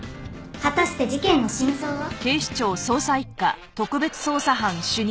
「果たして事件の真相は？」